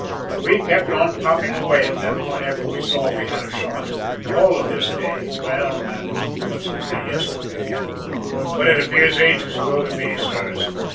"We kept on popping away at them whenever we saw we had a shot, the whole of this day; well, that was only yesterday, but appears ages ago to me, sirs!